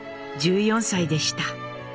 １４歳でした。